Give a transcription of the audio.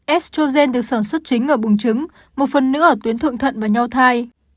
estrogen được sản xuất chính ở bùng trứng một phần nữ ở tuyến thượng thận và nhau thai